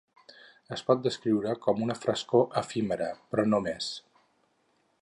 Es pot descriure com una frescor efímera, però no més.